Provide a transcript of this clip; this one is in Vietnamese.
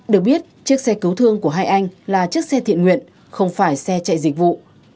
được biết chiếc xe cứu thương của hai anh là chiếc xe thiện nguyện không phải xe chạy dịch vụ